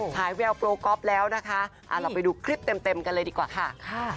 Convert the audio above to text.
หายแววโปรก๊อฟแล้วนะคะเราไปดูคลิปเต็มกันเลยดีกว่าค่ะ